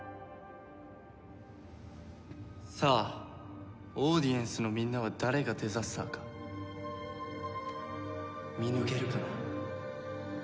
さあオーディエンスのみんなは誰がデザスターか見抜けるかな？